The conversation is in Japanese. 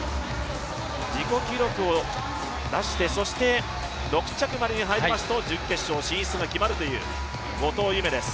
自己記録を出して、そして６着までに入りますと準決勝進出が決まる後藤夢です。